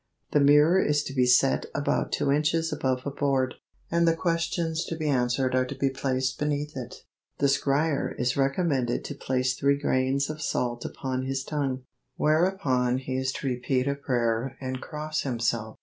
The mirror is to be set about two inches above a board, and the questions to be answered are to be placed beneath it. The scryer is recommended to place three grains of salt upon his tongue, whereupon he is to repeat a prayer and cross himself.